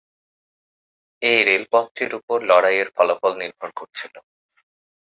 এই রেলপথটির উপর লড়াইয়ের ফলাফল নির্ভর করছিল।